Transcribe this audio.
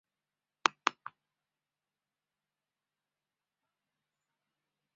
隆裕皇太后懿旨颁布宣统帝退位诏书。